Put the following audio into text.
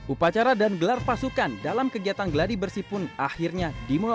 upacara dan gelar pasukan dalam kegiatan geladi bersih pun akhirnya dimulai